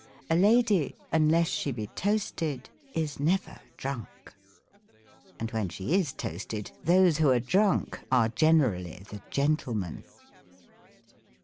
"A lady, unless she be toasted, is never drunk." And when she is toasted, those who are drunk, are generally the gentlemen.